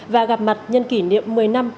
và gặp mặt nhân kỷ niệm một mươi năm